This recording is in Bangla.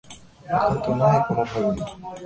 এখন তো নয়ই, কোনভাবেই।